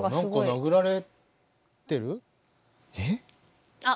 殴られてる？え？